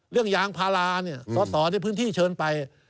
เรื่องยางพาราเนี่ยสอดในพื้นที่เชิญไป